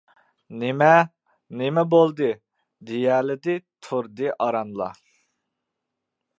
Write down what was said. نېمە؟ نېمە بولدى؟ دېيەلىدى تۇردى ئارانلا.